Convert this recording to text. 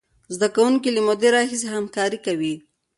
زده کوونکي له مودې راهیسې همکاري کوي.